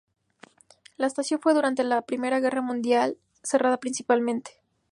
La estación fue durante la primera guerra mundial cerrada temporalmente.